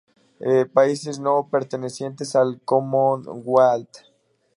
Países no pertenecientes al Commonwealth.